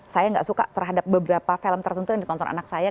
saya nggak suka terhadap beberapa film tertentu yang ditonton anak saya